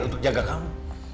untuk jaga kamu